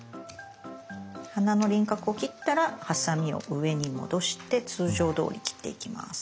花の輪郭を切ったらハサミを上に戻して通常どおり切っていきます。